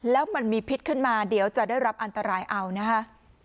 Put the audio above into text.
แล้วมันมีพิษขึ้นมาเดี๋ยวจะได้รับอันตรายเอานะคะ